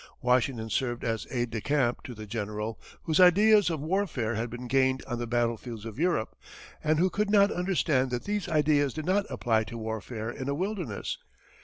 Washington served as aide de camp to the general, whose ideas of warfare had been gained on the battlefields of Europe, and who could not understand that these ideas did not apply to warfare in a wilderness.